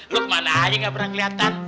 lo kemana aja gak pernah keliatan